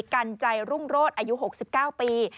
กันใจรุ่งโรศอายุ๖๙ปี